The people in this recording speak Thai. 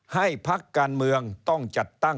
พักการเมืองต้องจัดตั้ง